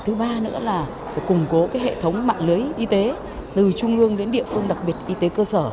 thứ ba nữa là phải củng cố hệ thống mạng lưới y tế từ trung ương đến địa phương đặc biệt y tế cơ sở